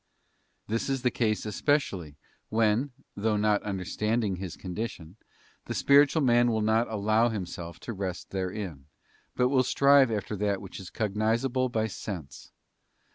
This is the case especially when, through not understand ing his condition, the spiritual man will not allow himself to _ rest therein, but will strive after that which is cognisable by sense.